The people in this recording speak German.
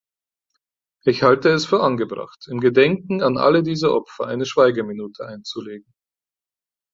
Ich halte es für angebracht, im Gedenken an alle diese Opfer eine Schweigeminute einzulegen.